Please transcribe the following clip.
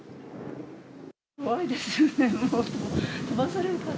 怖いですよね。